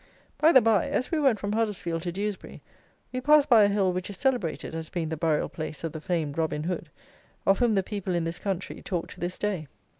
By the by, as we went from Huddersfield to Dewsbury, we passed by a hill which is celebrated as being the burial place of the famed Robin Hood, of whom the people in this country talk to this day.